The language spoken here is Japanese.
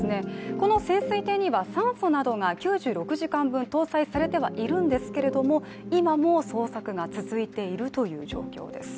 この潜水艇には酸素などが９６時間分搭載されてはいるんですけれども、今も捜索が続いているという状況です。